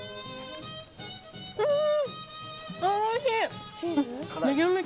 うん！